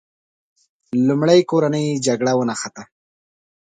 لومړی کورنۍ جګړه ونښته.